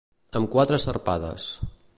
Amb quatre sarpades.